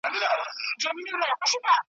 دا يې زېری دطغيان دی ,